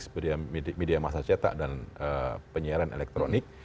seperti media masa cetak dan penyiaran elektronik